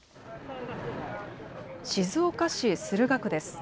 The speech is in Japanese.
静岡市駿河区です。